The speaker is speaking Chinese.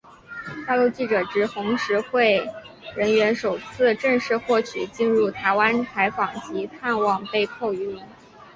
大陆记者及红十字会人员首次正式获准进入台湾采访及探望被扣渔民。